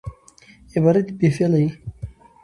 عبارت بې فعله يي.